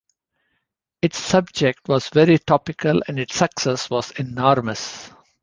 Its subject was very topical and its success was enormous.